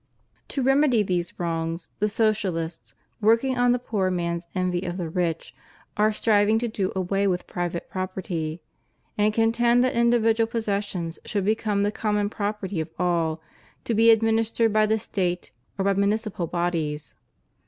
To remedy these wrongs the Socialists, working on the poor man's envy of the rich, are striving to do away with private property, and contend that individual possessions should become the common property of all, to be admin istered by the State or by municipal bodies.